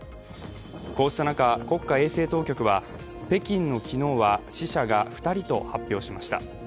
こうした中、国家衛生当局は北京の昨日は死者が２人と発表しました。